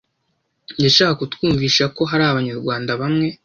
” Yashakaga kutwumvisha ko hari Abanyarwanda bamwe